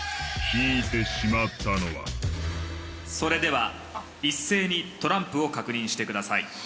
それでは一斉にトランプを確認してください。